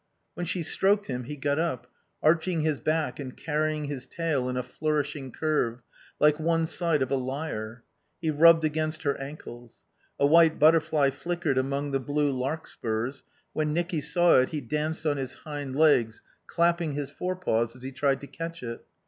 When she stroked him he got up, arching his back and carrying his tail in a flourishing curve, like one side of a lyre; he rubbed against her ankles. A white butterfly flickered among the blue larkspurs; when Nicky saw it he danced on his hind legs, clapping his forepaws as he tried to catch it.